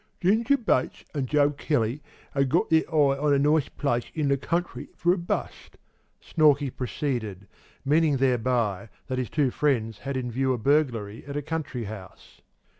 "'Ginger Bates an' Joe Kelly 'ad got their eye on a nice place in the country for a bust,' Snorkey proceeded, meaning thereby that his two friends had in view a burglary at a country house.